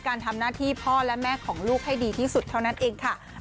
การทำหน้าที่พ่อและแม่ของลูกให้ดีที่สุดเท่านั้นเองค่ะ